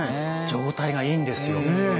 状態がいいんですよ。